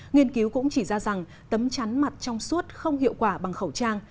nghiên cứu cũng chỉ ra rằng tấm chắn mặt trong suốt không hiệu quả bằng khẩu trang